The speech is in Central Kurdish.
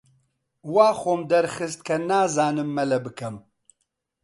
وا خۆم دەرخست کە نازانم مەلە بکەم.